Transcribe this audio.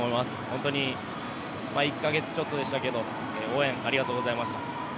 本当に１か月ちょっとでしたけど応援ありがとうございました。